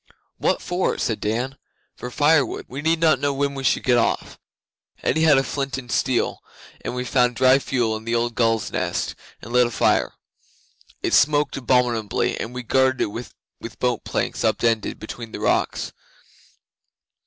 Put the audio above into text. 'What for?' said Dan. 'For firewood. We did not know when we should get off. Eddi had flint and steel, and we found dry fuel in the old gulls' nests and lit a fire. It smoked abominably, and we guarded it with boat planks up ended between the rocks.